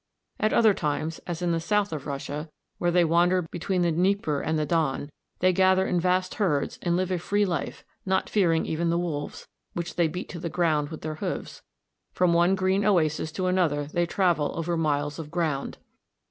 At other times, as in the south of Russia, where they wander between the Dnieper and the Don, they gather in vast herds and live a free life, not fearing even the wolves, which they beat to the ground with their hoofs. From one green oasis to another they travel over miles of ground.